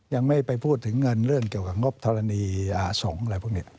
ยังไม่ไปพูดถึงเงินเรื่องเกี่ยวกับงบธรณีอาสงฆ์อะไรพวกนี้